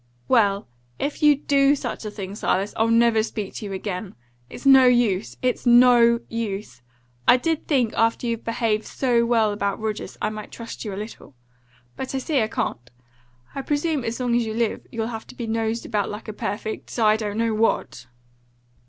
"Well, if you DO such a thing, Silas, I'll never speak to you again! It's no USE! It's NO use! I did think, after you'd behaved so well about Rogers, I might trust you a little. But I see I can't. I presume as long as you live you'll have to be nosed about like a perfect I don't know what!"